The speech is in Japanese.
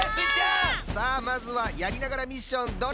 さあまずはやりながらミッションどれをえらぶ？